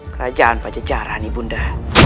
kerajaan pajejaran nih bunda